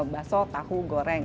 bakso tahu goreng